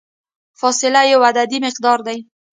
فاصله یو عددي مقدار دی.